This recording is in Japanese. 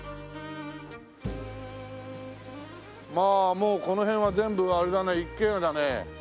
もうこの辺は全部あれだね一軒家だね。